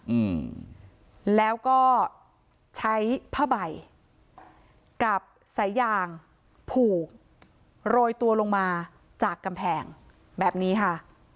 อืมแล้วก็ใช้ผ้าใบกับสายยางผูกโรยตัวลงมาจากกำแพงแบบนี้ค่ะ